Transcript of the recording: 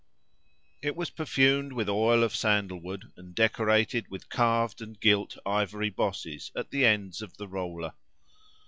It was perfumed with oil of sandal wood, and decorated with carved and gilt ivory bosses at the ends of the roller.